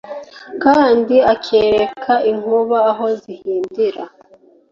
kandi akereka inkuba aho zihindira